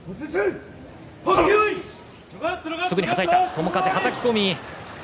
友風、はたき込み。